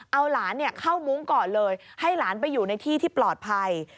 เอาหลานเข้ามุ้งก่อนเลยให้หลานไปอยู่ในที่ที่ปลอดภัย